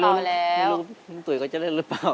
ไม่รู้ถุ๋ยเขาจะเล่นหรือเปล่า